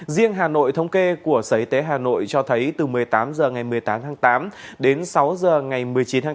riêng hà nội thống kê của sở y tế hà nội cho thấy từ một mươi tám h ngày một mươi tám tháng tám đến sáu h ngày một mươi chín tháng tám